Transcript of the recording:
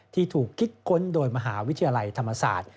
ที่ถูกคิดค้นโดยมหาวิทยาลัยธรรมศาสตร์